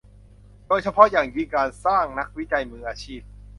โดยเฉพาะอย่างยิ่งการสร้างนักวิจัยมืออาชีพ